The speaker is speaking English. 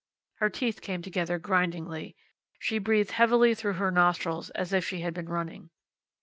Her teeth came together grindingly. She breathed heavily through her nostrils, as if she had been running.